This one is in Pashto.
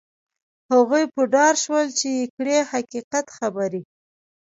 هغوی په دار شول چې یې کړلې حقیقت خبرې.